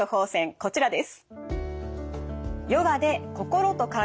こちらです。